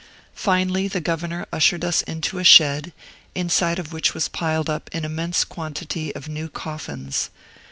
Finally, the governor ushered us into a shed, inside of which was piled up an immense quantity of new coffins.